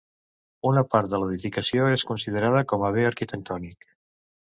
Una part de l'edificació és considerada com a bé arquitectònic.